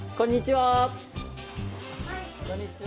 はいこんにちは。